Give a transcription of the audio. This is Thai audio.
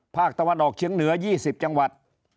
ภาคตะวันออกเชียงเหนือยี่สิบจังหวัด